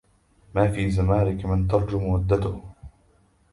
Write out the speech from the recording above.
ما في زمانك من ترجو مودته